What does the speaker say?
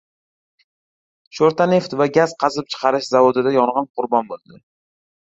“Sho‘rtanneft va gaz qazib chiqarish” zavodida yong‘in: qurbon bor